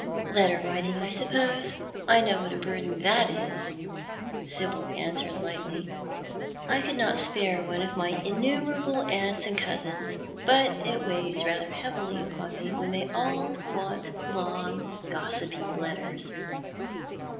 " Letter writing, I suppose. I know what a burden that is," Sibyl answered lightly. "I could not sj)are one of my in numerable aunts and cousins, but it weighs rather heavily upon me when they all want long gossipy letters.